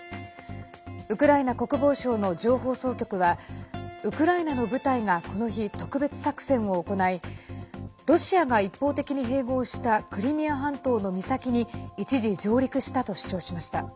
ウクライナ国防省の情報総局はウクライナの部隊がこの日、特別作戦を行いロシアが一方的に併合したクリミア半島の岬に一時上陸したと主張しました。